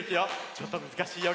ちょっとむずかしいよ。